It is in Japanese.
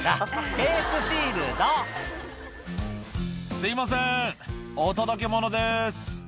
すみません、お届けものです。